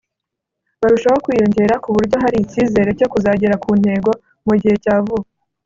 barushaho kwiyongera ku buryo hari icyizere cyo kuzagera ku ntego mu gihe cya vuba